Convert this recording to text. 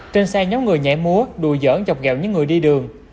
trên xe nhóm người nhảy múa đùa giỡn chọc ghẹo những người đi đường